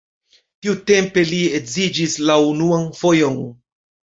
Tiutempe li edziĝis la unuan fojon.